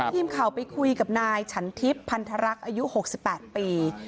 ทีมข่าวไปคุยกับนายฉันทิพย์พันธรรักษ์อายุ๖๘ปี